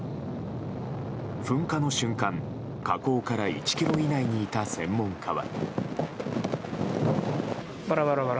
噴火の瞬間火口から１ｋｍ以内にいた専門家は。